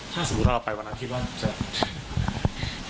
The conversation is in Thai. ถ้าสมมุติเราไปวันนั้นที่บ้านจะ